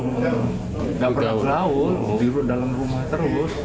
tidak pernah berlaut dirumah dalam rumah terus